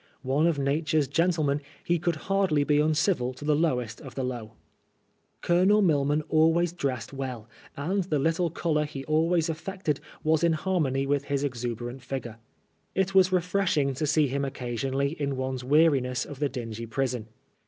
One of nature's gen tlemen, he could hardly be uncivil to the lowest of the low. Colonel Milman always dressed well, and the little color he always affected was in harmony with his exube rant figure. It was refreshing to see him occasionally in one's weariness of the dingy prison.